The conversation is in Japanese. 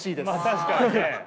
確かにね。